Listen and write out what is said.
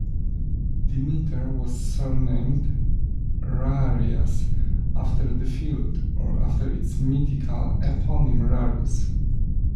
Demeter was surnamed "Rharias" after the field, or after its mythical eponym Rarus.